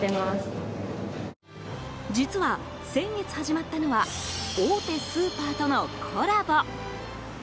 実は、先月始まったのは大手スーパーとのコラボ。